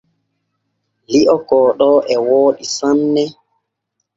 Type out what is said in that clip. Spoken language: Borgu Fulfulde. Li’o kooɗo e wooɗi sanne.